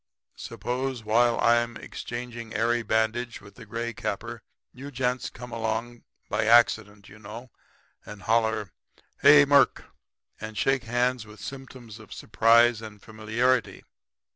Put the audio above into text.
Suppose while I'm exchanging airy bandage with the gray capper you gents come along, by accident, you know, and holler: "Hello, Murk!" and shake hands with symptoms of surprise and familiarity.